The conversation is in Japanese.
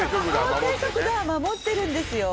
法定速度は守ってるんですよ